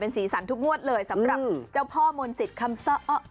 เป็นสีสันทุกงวดเลยสำหรับเจ้าพ่อมนต์สิทธิ์คำส